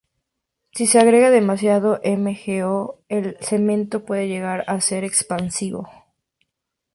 Si se agrega demasiado MgO, el cemento puede llegar a ser expansivo.